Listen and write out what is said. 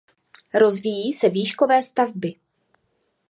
Rozvíjí se výškové stavby.